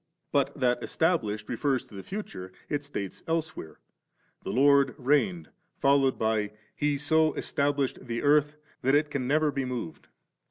Bitf that ' established ' refers to the future, it states elsewhere :' The Lord reigned 5*,' followed bf ' He so established the eanh that it can never be moved.'